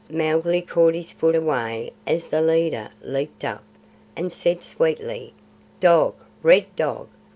Mowgli caught his foot away as the leader leaped up, and said sweetly: "Dog, red dog!